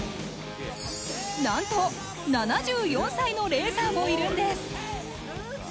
なんと、７４歳のレーサーもいるんです。